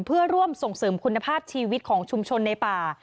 เพื่อร่วมส่งเสริมคุณภาพชีวิตของชุมชนในป่า